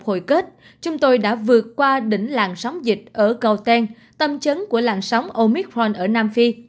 hồi kết chúng tôi đã vượt qua đỉnh làn sóng dịch ở gauteng tâm trấn của làn sóng omicron ở nam phi